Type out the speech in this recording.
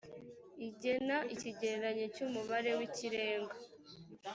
igena ikigereranyo cy umubare w ikirenga